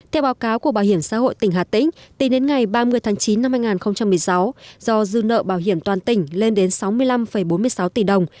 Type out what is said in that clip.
theo báo cáo của bảo hiểm xã hội tỉnh hà tĩnh tính đến ngày ba mươi tháng chín năm hai nghìn một mươi sáu do dư nợ bảo hiểm toàn tỉnh lên đến sáu mươi năm bốn mươi sáu tỷ đồng